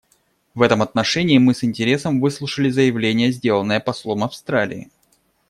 В этом отношении мы с интересом выслушали заявление, сделанное послом Австралии.